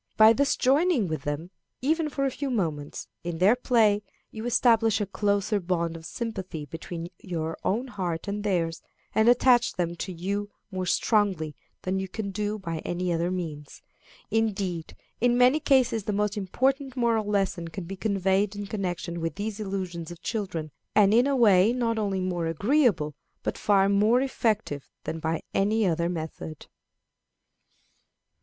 By thus joining with them, even for a few moments, in their play, you establish a closer bond of sympathy between your own heart and theirs, and attach them to you more strongly than you can do by any other means. Indeed, in many cases the most important moral lessons can be conveyed in connection with these illusions of children, and in a way not only more agreeable but far more effective than by any other method.